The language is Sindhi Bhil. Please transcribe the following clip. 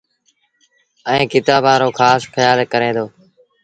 ائيٚݩ ڪتآݩبآݩ رو کآس کيآل ڪري دو